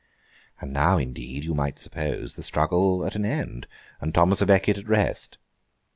And now, indeed, you might suppose the struggle at an end, and Thomas à Becket at rest.